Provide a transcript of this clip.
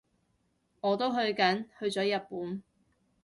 我都去緊，去咗日本